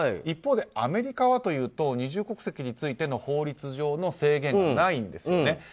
一方でアメリカはというと二重国籍についての法律上の制限はないんですね。